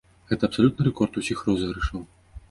Гэта абсалютны рэкорд усіх розыгрышаў.